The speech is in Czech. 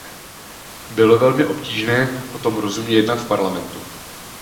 Bylo velmi obtížné o tom rozumně jednat v Parlamentu.